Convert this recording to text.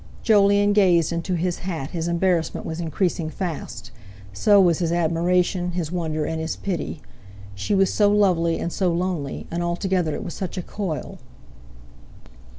Jolyon gazed into his hat, his embarrassment was increasing fast; so was his admiration, his wonder, and his pity. She was so lovely, and so lonely; and altogether it was such a coil!